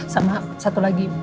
sama satu lagi